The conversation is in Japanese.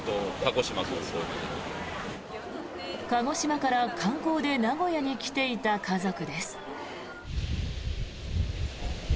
鹿児島から観光で名古屋に来ていた家族です。